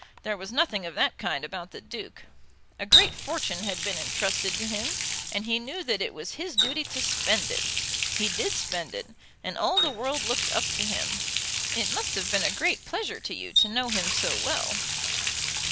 There was nothing of that kind about the Duke. A great fortune had been entrusted to him, and he knew that it was his duty to spend it. He did spend it, and all the world looked up to him. It must have been a great pleasure to you to know him so well."